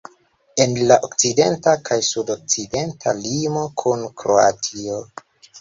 En la okcidenta kaj sudokcidenta limo kun Kroatio.